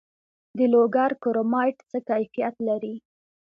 د لوګر کرومایټ څه کیفیت لري؟